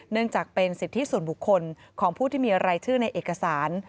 เนื่องจากเป็นสิทธิส่วนบุคคลของผู้ที่มีรายชื่อในเอกสาร